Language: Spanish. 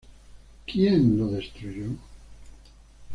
Quien lo destruyó?